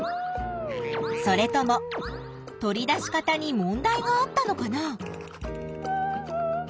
それとも取り出し方に問題があったのかな？